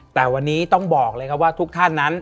แต่วันนี้ต้องบอกเลยครับว่าทุกท่านนั้น